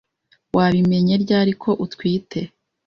Wabimenye ryari ko utwite?